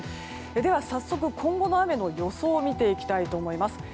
では早速、今後の雨の予想を見ていきたいと思います。